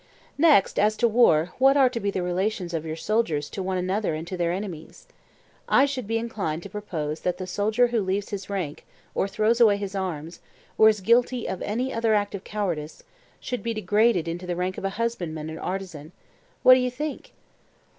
Next, as to war; what are to be the relations of your soldiers to one another and to their enemies? I should be inclined to propose that the soldier who leaves his rank or throws away his arms, or is guilty of any other act of cowardice, should be degraded into the rank of a husbandman or artisan. What do you think?